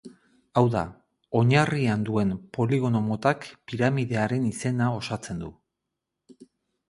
Hau da, oinarrian duen poligono-motak piramidearen izena osatzen du.